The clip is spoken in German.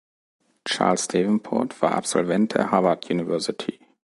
Charles Davenport war Absolvent der Harvard University.